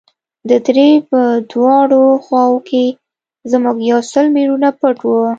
د درې په دواړو خواوو کښې زموږ يو سل مېړونه پټ وو.